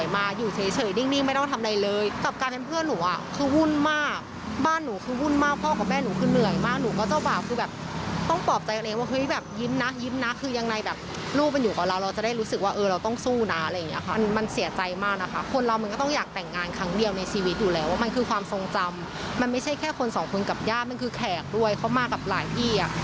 มันไม่ใช่แค่คนสองคนกับญาติมันคือแขกด้วยเข้ามากับหลายพี่